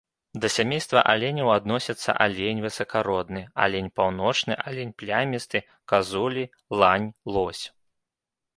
Да сямейства аленяў адносяцца алень высакародны, алень паўночны, алень плямісты, казулі, лань, лось.